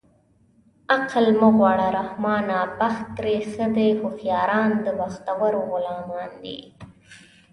عقل مه غواړه رحمانه بخت ترې ښه دی هوښیاران د بختورو غلامان دي